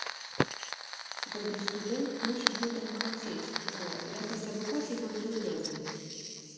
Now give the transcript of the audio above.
Добры студэнт мусіць гэтага хацець, о якасць адукацыі там сур'ёзная.